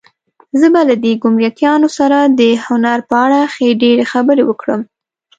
زه به له دې ګمرکیانو سره د هنر په اړه ښې ډېرې خبرې وکړم.